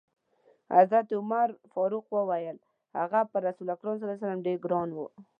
حضرت عمر فاروق وویل: هغه پر رسول الله ډېر ګران و.